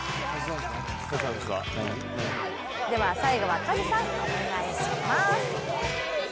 最後はカズさんお願いします。